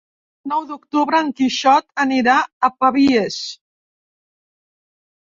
El nou d'octubre en Quixot anirà a Pavies.